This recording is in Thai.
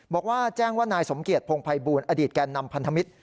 บอกว่าแจ้งว่านายสมเกียจพงภัยบูลอดีตแก่นำพันธมิตร